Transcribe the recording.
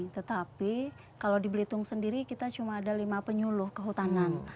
tetapi kalau di belitung sendiri kita cuma ada lima penyuluh kehutanan